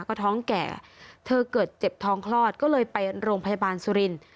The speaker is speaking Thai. ก็ท้องแก่เธอเกิดเจ็บท้องคลอดก็เลยไปโรงพยาบาลสุรินทร์